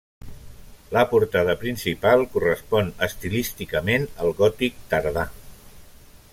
La portada principal correspon estilísticament al gòtic tardà.